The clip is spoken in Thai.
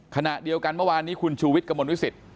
ขณะเดียวกันเมื่อวานนี้คุณชูวิทย์กระมวลวิสิต